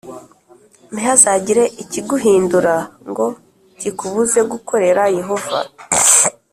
ntihazagire ikiguhindura ngo kikubuze gukorera Yehova